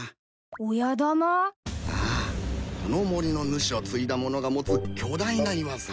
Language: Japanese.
ああこの森の主を継いだものが持つ巨大な岩さ。